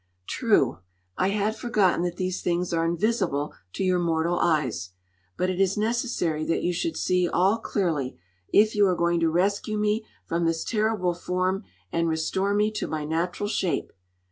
"True; I had forgotten that these things are invisible to your mortal eyes. But it is necessary that you should see all clearly, if you are going to rescue me from this terrible form and restore me to my natural shape.